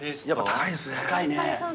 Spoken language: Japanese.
高いね。